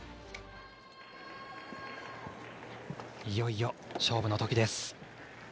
いよいよ勝負のときです。